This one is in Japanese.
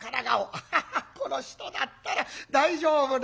「アッハハこの人だったら大丈夫だろう」。